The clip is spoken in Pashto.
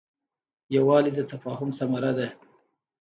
یووالی د تفاهم ثمره ده.